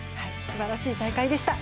すばらしい大会でした。